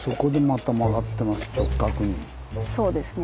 そうですね